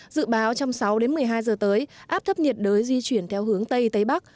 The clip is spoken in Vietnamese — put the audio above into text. dự báo trong sáu đến một mươi hai giờ tới áp thấp nhiệt đới di chuyển theo hướng tây tây bắc